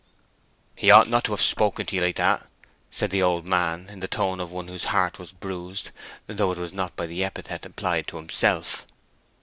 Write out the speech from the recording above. "He ought not to have spoken to ye like that!" said the old man, in the tone of one whose heart was bruised, though it was not by the epithet applied to himself.